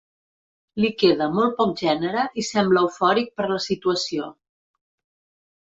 Li queda molt poc gènere i sembla eufòric per la situació.